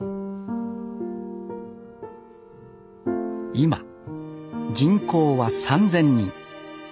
今人口は３，０００人。